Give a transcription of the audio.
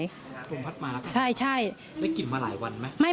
ลมพัดมาเหรอครับได้กลิ่นมาหลายวันไหม